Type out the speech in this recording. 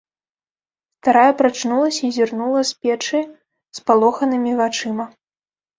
Старая прачнулася і зірнула з печы спалоханымі вачыма.